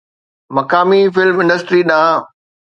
مقامي film industry ڏانهن